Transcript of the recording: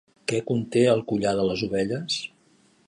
Què conte el collar de les ovelles?